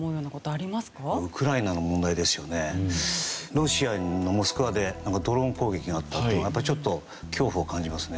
ロシアのモスクワでドローン攻撃があったっていうのがちょっと恐怖を感じますね。